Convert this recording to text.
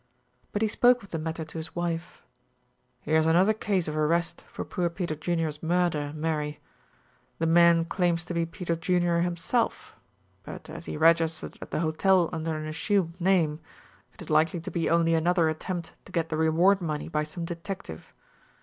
But he spoke of the matter to his wife. "Here is another case of arrest for poor Peter Junior's murder, Mary. The man claims to be Peter Junior himself, but as he registered at the hotel under an assumed name it is likely to be only another attempt to get the reward money by some detective.